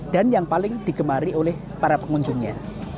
yang paling digemari oleh para pengunjungnya